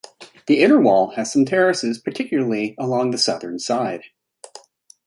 The inner wall has some terraces, particularly along the southern side.